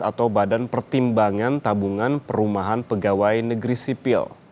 atau badan pertimbangan tabungan perumahan pegawai negeri sipil